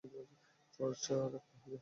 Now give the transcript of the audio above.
চর্চা রাখতে হবে।